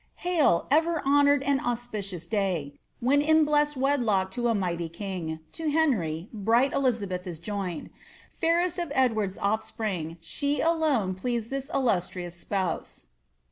Hail, ever honoured and auspicious day, When in blest wedlock to a mighty king To Henry — ^bright Elizabeth is joined, Fairest of Edward*s ofispring, she alone Pleased this illustrious spouse.'